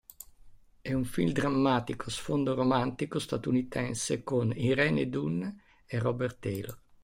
È un film drammatico a sfondo romantico statunitense con Irene Dunne e Robert Taylor.